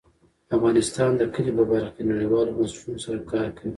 افغانستان د کلي په برخه کې نړیوالو بنسټونو سره کار کوي.